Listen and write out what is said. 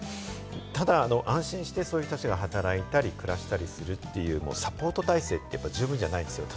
ただ安心してそういう人たちが働いたり、暮らしたりするというサポート体制、十分じゃないんですよ。